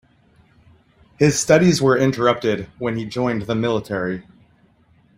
His studies were interrupted when he joined the military.